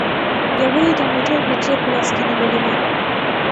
يوه يې د موټر بېټرۍ په لاس کې نيولې وه